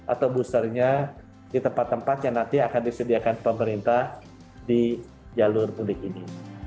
atau boosternya di tempat tempat yang nanti akan disediakan pemerintah di jalur mudik ini